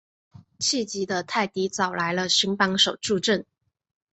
气急的泰迪找来了新帮手助阵。